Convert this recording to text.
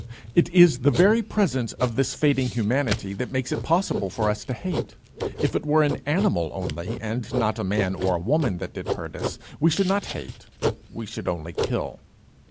It is the very presence of this fading humanity that makes it possible for us to hate. If it were an animal only, and not a man or a woman that did us hurt, we should not hate: we should only kill.